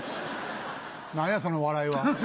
何やその笑いは。